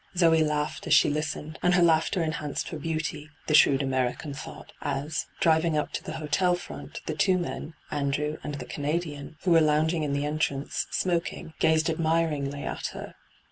Zee laughed as she listened, and her laughter enhanced her beauty, the shrewd Americau thought, as, driving up to the hotel front, the two men, Andrew and the Canadian, who were lounging in the entrance, smoking, gazed admiringly at her.